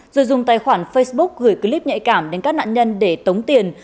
rồi dùng tài khoản facebook gửi clip nhạy cảm đến các nạn nhân để tống tiền